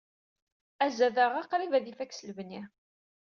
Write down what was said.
Azadaɣ-a qrib ad ifak s lebni.